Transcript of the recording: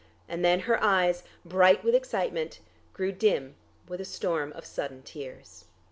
And then her eyes, bright with excitement, grew dim with a storm of sudden tears.